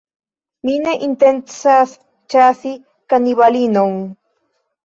Mi ne intencas ĉasi kanibalinon.